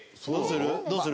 どうする？